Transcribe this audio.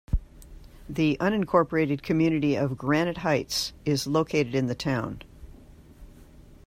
The unincorporated community of Granite Heights is located in the town.